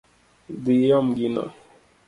Dhi iom gino